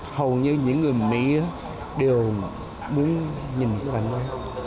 hầu như những người mỹ đều muốn nhìn cái bức ảnh đó